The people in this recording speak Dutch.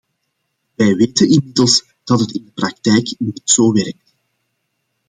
Wij weten inmiddels dat het in de praktijk niet zo werkt.